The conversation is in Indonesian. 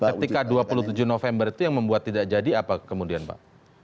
ketika dua puluh tujuh november itu yang membuat tidak jadi apa kemudian pak